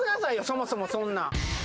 そもそもそんな。